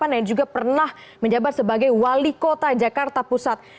yang juga pernah menjabat sebagai wali kota jakarta pusat